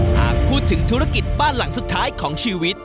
หากพูดถึงธุรกิจบ้านหลังสุดท้ายของชีวิต